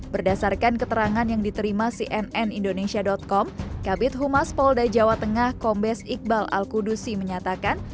berdasarkan keterangan yang diterima cnn indonesia com kabit humas polda jawa tengah kombes iqbal al kudusi menyatakan